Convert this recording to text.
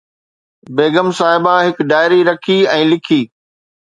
بيگم صاحبه هڪ ڊائري رکي ۽ لکي